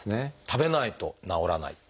食べないと治らない。